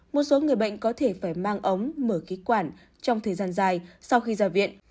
một số người bệnh có thể phải mang ống mở khí quản trong thời gian dài sau khi ra viện